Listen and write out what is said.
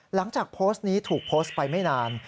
หลังจากโพสต์นี้ถูกโพสต์ไปไม่นาน